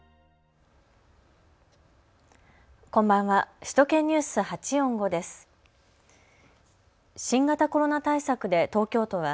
こんばんは。